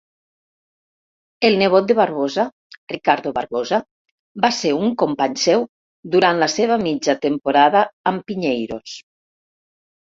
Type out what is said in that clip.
El nebot de Barbosa, Ricardo Barbosa, va ser un company seu durant la seva mitja temporada amb Pinheiros.